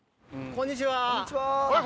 こんにちは。